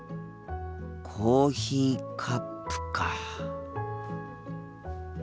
コーヒーカップか。